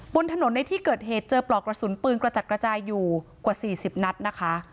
บนถนนในที่เกิดเหตุเจอปลอกกระสุนปืนกระจัดกระจายอยู่กว่า๔๐นัดนะคะ